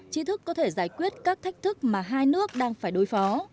trí thức có thể giải quyết các thách thức mà hai nước đang phải đối phó